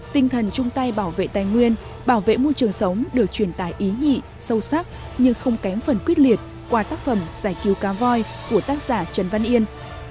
tinh thần chung tay bảo vệ tài nguyên bảo vệ môi trường sống được truyền tài ý nhị sâu sắc nhưng không kém phần quyết liệt qua tác phẩm giải cứu cá voi của tác giả trần văn yên